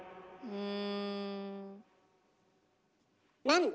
うん。